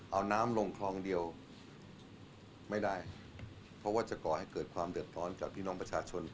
เอาน้ำลงคลองเดียวไม่ได้เพราะว่าจะก่อให้เกิดความเดือดร้อนกับพี่น้องประชาชน